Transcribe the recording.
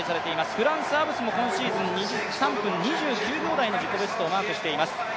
フランスのアブズも今シーズン３分２９秒台の自己ベストをマークしています。